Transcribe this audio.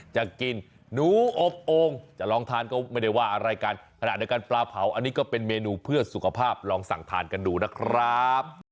จะกินหนูอบโอ่งจะลองทานก็ไม่ได้ว่าอะไรกันขณะเดียวกันปลาเผาอันนี้ก็เป็นเมนูเพื่อสุขภาพลองสั่งทานกันดูนะครับ